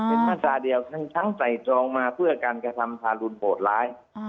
เป็นมาตราเดียวทั้งใส่ตรองมาเพื่อการกระทำทารุณโหดร้าย